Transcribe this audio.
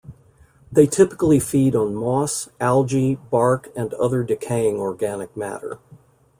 They typically feed on moss, algae, bark and other decaying organic matter.